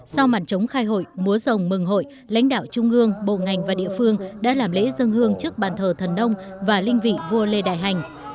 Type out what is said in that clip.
sau màn chống khai hội múa rồng mừng hội lãnh đạo trung ương bộ ngành và địa phương đã làm lễ dân hương trước bàn thờ thần nông và linh vị vua lê đại hành